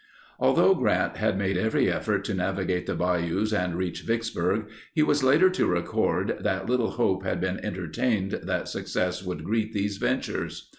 Although Grant had made every effort to navigate the bayous and reach Vicksburg, he was later to record that little hope had been entertained that success would greet these ventures.